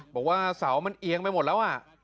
บอกว่าเสามันเอียงไปหมดแล้ว